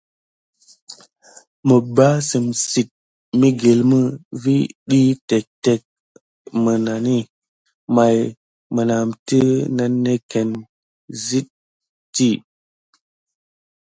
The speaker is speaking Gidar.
Məpbassitsəm migilmə vi ɗyi téctéc naməŋ, may mənatə nannéckéne sit zitti.